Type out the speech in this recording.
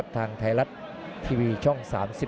ทางไทยรัฐทีวีช่อง๓๒